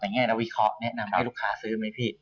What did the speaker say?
แง่แล้ววิเคราะห์แนะนำให้ลูกค้าซื้อไหมพี่